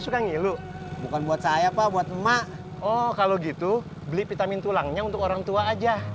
suka ngilu bukan buat saya pak buat emak oh kalau gitu beli vitamin tulangnya untuk orang tua aja